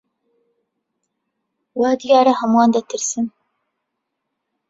وا دیارە هەمووان دەترسن.